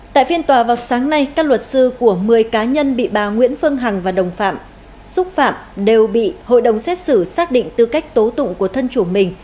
tại phiên tòa vào sáng nay các luật sư của một mươi cá nhân bị bà nguyễn phương hằng và đồng phạm xúc phạm đều bị hội đồng xét xử xác định tư cách tố tụng của thân chủ mình